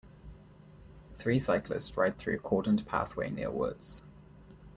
Three cyclists ride through cordoned pathway near woods.